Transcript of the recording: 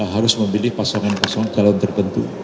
harus memilih pasangan pasangan calon tertentu